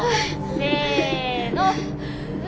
せの。